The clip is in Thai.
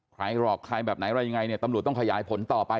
ใครหลอกใครแบบไหนอะไรยังไงเนี่ยตำรวจต้องขยายผลต่อไป